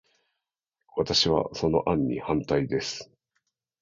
私は、その案に反対です。